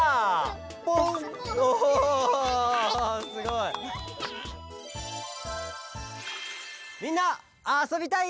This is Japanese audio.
ポン！おすごい！「みんなあそびたい？」